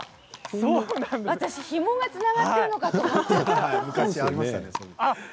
ひもがつながっているのかと思った。